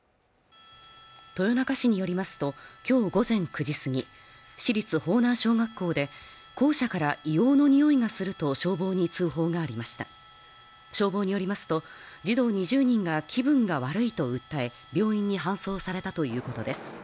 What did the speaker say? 豊中市によりますときょう午前９時過ぎ市立豊南小学校で校舎から硫黄のにおいがすると消防に通報がありました消防によりますと児童２０人が気分が悪いと訴え病院に搬送されたということです